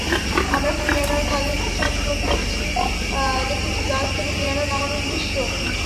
আমরা কুরিয়ানার খালে চলতি পথে দেখেছি গাছ থেকে পেয়ারা নামানোর দৃশ্য।